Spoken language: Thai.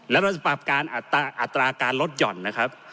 แล้วเราจะปรับการอัตราการลดหย่อนนะครับ